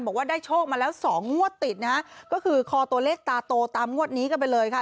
บอกว่าได้โชคมาแล้วสองงวดติดนะฮะก็คือคอตัวเลขตาโตตามงวดนี้กันไปเลยค่ะ